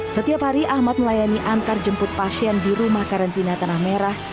setiap hari ahmad melayani antarjemput pasien di rumah karantina tanah merah